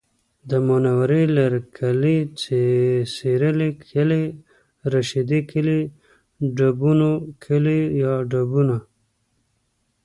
د منورې لرکلی، سېرۍ کلی، رشید کلی، ډبونو کلی یا ډبونه